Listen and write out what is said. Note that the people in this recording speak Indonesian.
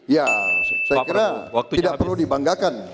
ya saya kira tidak perlu dibanggakan